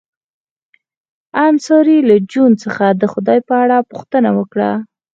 انصاري له جون څخه د خدای په اړه پوښتنه وکړه